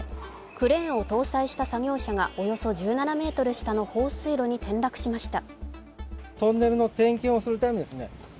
クレーンを搭載した作業車がおよそ１７ｍ下の放水路に転落しました。